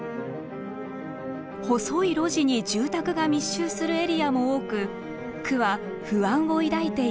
細い路地に住宅が密集するエリアも多く区は不安を抱いています。